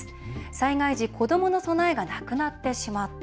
災害時、子どもの備えがなくなってしまった。